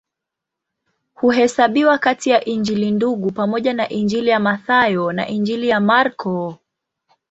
Huhesabiwa kati ya Injili Ndugu pamoja na Injili ya Mathayo na Injili ya Marko.